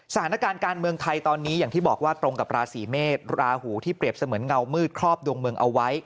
สถานการณ์การเมืองไทยตอนนี้อย่างที่บอกว่าตรงกับราศีเมษราหูที่เปรียบเสมือนเงามืดครอบดวงเมืองเอาไว้